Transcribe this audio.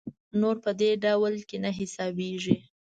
نور په دې ډله کې نه حسابېږي.